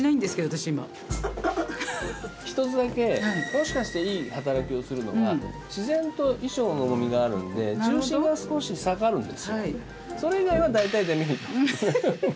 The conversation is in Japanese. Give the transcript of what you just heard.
一つだけもしかしていい働きをするのが自然と衣装の重みがあるので重心が少し下がるんですよ。